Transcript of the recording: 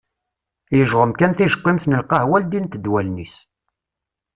Yejɣem kan tijeqqimt n lqahwa ldint-d wallen-is.